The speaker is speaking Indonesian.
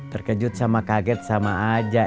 terkejut sama kaget sama aja